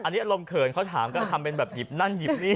อันนี้อารมณ์เขินเขาถามก็ทำเป็นแบบหยิบนั่นหยิบนี่